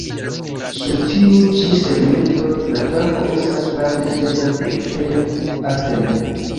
Sur tiu ĉi segmento, la trako estas parte videbla de ekstere, parte ne.